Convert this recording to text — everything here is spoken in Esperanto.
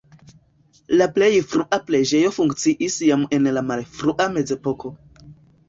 La plej frua preĝejo funkciis jam en la malfrua mezepoko.